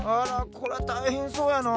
こらたいへんそうやなあ。